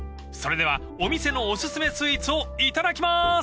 ［それではお店のお薦めスイーツを頂きます！］